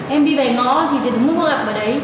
em đi về ngõ thì tự múc gặp ở đấy